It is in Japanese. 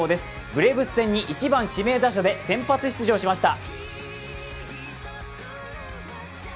ブレーブス戦に１番指名打者で先発出場しました。